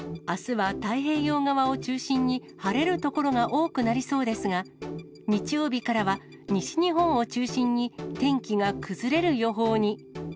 あすは太平洋側を中心に晴れる所が多くなりそうですが、日曜日からは西日本を中心に天気が崩れる予報に。